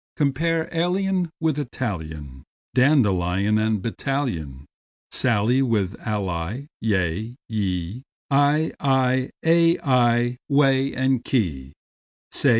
Compare alien with Italian, Dandelion with battalion, Sally with ally; yea, ye, Eye, I, ay, aye, whey, key, quay!